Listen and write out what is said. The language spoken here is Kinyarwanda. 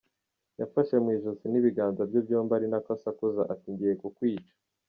Yamfashe mu ijosi n’ibiganza bye byombi ari nako asakuza ati ngiye kukwica.